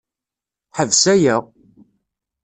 Ḥbes aya!